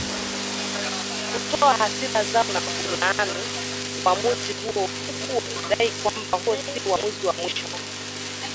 kutoa hasira zao na kulaani uwamuzi huo huku wakidai kwamba huo sio uwamuzi wa mwisho